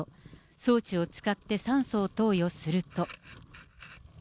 装置を使って酸素を投与すると。